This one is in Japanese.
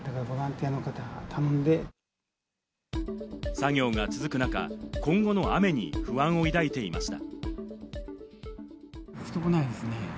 作業が続く中、今後の雨に不安を抱いていました。